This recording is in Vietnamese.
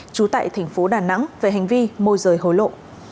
trú tại thành phố đà nẵng về hành vi môi rời hối lộ